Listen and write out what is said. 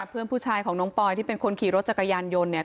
เพื่อนผู้ชายของน้องปอยที่เป็นคนขี่รถจักรยานยนต์เนี่ย